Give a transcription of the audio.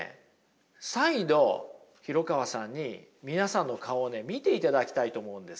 再度廣川さんに皆さんの顔を見ていただきたいと思うんですよ。